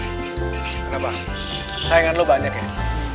kenapa sayangan lo banyak ya